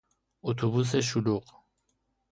اتوبوس شلوغ